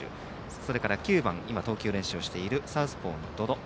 そして９番、投球練習をしているサウスポーの百々。